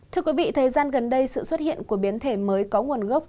thưa quý vị thời gian gần đây sự xuất hiện của biến thể mới có nguồn gốc